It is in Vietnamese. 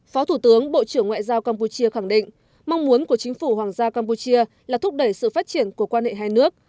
phó thủ tướng bộ trưởng ngoại giao campuchia khẳng định mong muốn của chính phủ hoàng gia campuchia là thúc đẩy sự phát triển của quan hệ hai nước